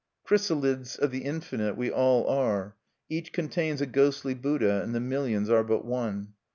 Chrysalides of the infinite we all are: each contains a ghostly Buddha, and the millions are but one.